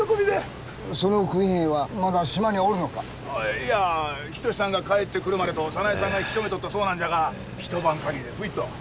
いや一さんが帰ってくるまでと早苗さんが引き止めとったそうなんじゃが一晩限りでふいっと。